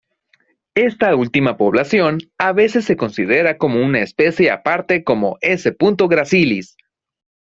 Esta última población a veces se considera como una especie aparte como "S. gracilis".